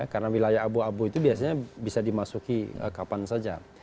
karena wilayah abu abu itu biasanya bisa dimasuki kapan saja